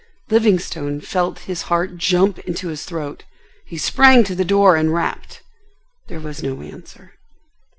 Livingstone felt his heart jump into his throat. He sprang to the door and rapped. There was no answer.